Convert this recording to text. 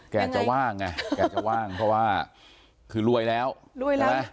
แกจะว่างไงแกจะว่างเพราะว่าคือรวยแล้ว